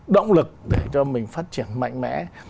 động lực để cho mình phát triển mạnh mẽ